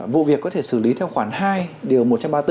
vụ việc có thể xử lý theo khoản hai điều một trăm ba mươi bốn